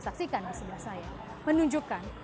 saksikan di sebelah saya menunjukkan